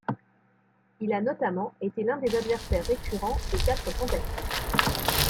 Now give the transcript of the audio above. Il a notamment été l'un des adversaires récurrent des Quatre Fantastiques.